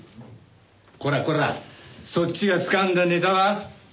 コラコラそっちがつかんだネタは？